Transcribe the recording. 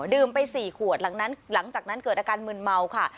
ดื่มไปสี่ขวดหลังนั้นหลังจากนั้นเกิดอาการมืนเมาค่ะ